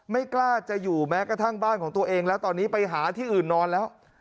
ไม่กล้าจะอยู่แม้กระทั่งบ้านของตัวเองแล้วตอนนี้ไปหาที่อื่นนอนแล้ว